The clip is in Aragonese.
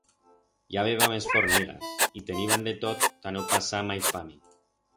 I habeba mes fornigas y teniban de tot ta no pasar mai fame.